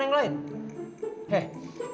kau cuma pikirin yang lain